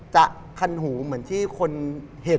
จะคันหูเหมือนที่คนเห็น